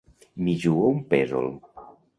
M'hi jugo un pèsol.